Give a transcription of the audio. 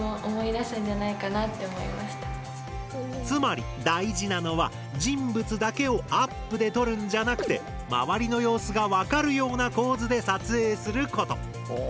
つまり大事なのは人物だけをアップで撮るんじゃなくて周りの様子がわかるような構図で撮影すること。